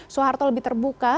suharto lebih terbuka